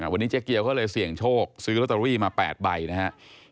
วันนี้เจ๊เกียวเขาเลยเสี่ยงโชคซื้อลอตเตอรี่มา๘ใบนะครับ